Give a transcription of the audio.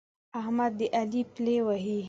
احمد د علي پلې وهي.